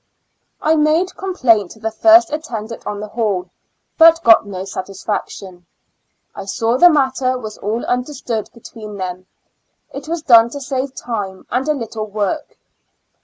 I made complaint to the first attendant on the hall, but got no satisfaction. I saw the matter was all understood between them ; it was done to save time and a little work.